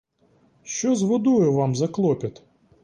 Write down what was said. Що з водою вам за клопіт?